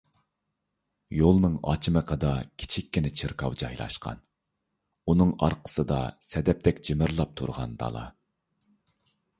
يولنىڭ ئاچىمىقىدا كىچىككىنە چېركاۋ جايلاشقان. ئۇنىڭ ئارقىسىدا سەدەپتەك جىمىرلاپ تۇرغان دالا.